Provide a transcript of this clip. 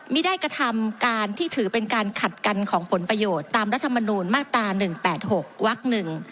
ไม่ได้กระทำการที่ถือเป็นการขัดกันของผลประโยชน์ตามรัฐมนูลมาตรา๑๘๖วัก๑